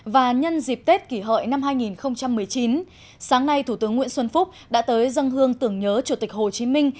và nhân dịp tết kỷ hợi năm hai nghìn một mươi chín sáng nay thủ tướng nguyễn xuân phúc đã tới dân hương tưởng nhớ chủ tịch hồ chí minh